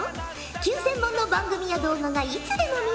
９，０００本の番組や動画がいつでも見られるんじゃ！